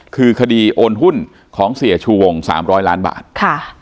คือคดีโอนหุ้นของเสียชูวง๓๐๐ล้านบาท